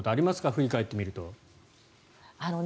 振り返ってみると。